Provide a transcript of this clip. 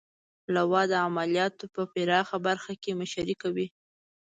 لوا د عملیاتو په پراخه برخه کې مشري کوي.